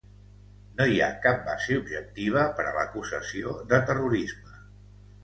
No hi ha cap base objectiva per a l’acusació de terrorisme.